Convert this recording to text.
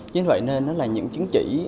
chính vậy nên nó là những chứng chỉ